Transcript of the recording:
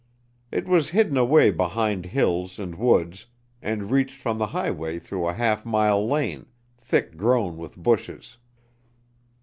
It was hidden away behind hills and woods and reached from the highway through a half mile lane, thick grown with bushes.